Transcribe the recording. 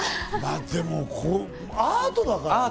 でも、アートだからね。